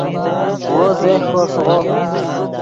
وو زیہکو ݰیغو